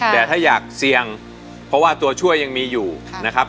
แต่ถ้าอยากเสี่ยงเพราะว่าตัวช่วยยังมีอยู่นะครับ